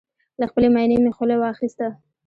له خپلې ماينې مې خوله واخيسته